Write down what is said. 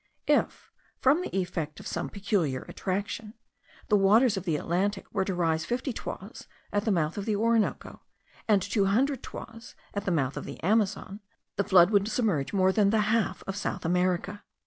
If, from the effect of some peculiar attraction, the waters of the Atlantic were to rise fifty toises at the mouth of the Orinoco, and two hundred toises at the mouth of the Amazon, the flood would submerge more than the half of South America.